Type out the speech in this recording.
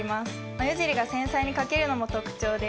眉尻が繊細に描けるのも特徴です。